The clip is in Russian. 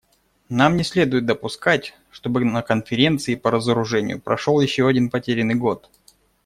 Нам не следует допускать, чтобы на Конференции по разоружению прошел еще один потерянный год.